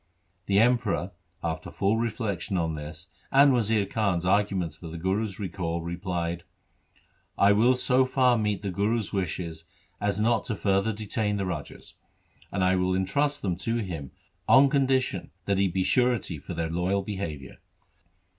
The Emperor, after full reflection on this and Wazir Khan's arguments for the Guru's recall, replied, ' I will so far meet the Guru's wishes as not to further detain the rajas, and I will entrust them to him on condition that he be surety for their loyal behaviour.'